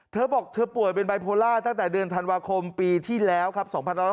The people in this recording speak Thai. เธอบอกเธอป่วยเป็นไบโพล่าตั้งแต่เดือนธันวาคมปีที่แล้วครับ